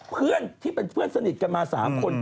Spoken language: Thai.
เพื่อนที่เป็นเพื่อนสนิทกันมา๓คน